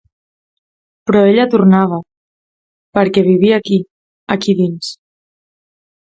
Però ella tornava, perquè vivia aquí, aquí dins.